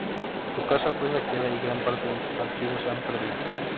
Su casa fue saqueada y gran parte de sus archivos se han perdido.